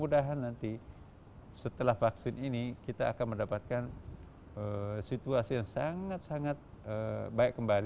pada saat ini para pengurus kini hanya berharap jamaah bisa bersabar sambil menantikan pandemi usai